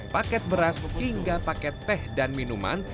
paket beras hingga paket teh dan minuman